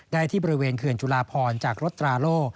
ได้ที่บริเวณเขื่อนจุลาพรจากรถตราโล่